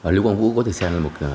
lưu quang vũ có thể xem là một